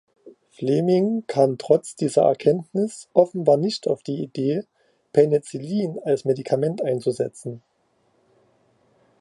Fleming kam trotz dieser Kenntnis offenbar nicht auf die Idee, Penicillin als Medikament einzusetzen.